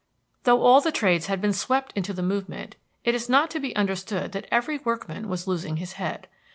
Though all the trades had been swept into the movement, it is not to be understood that every workman was losing his head.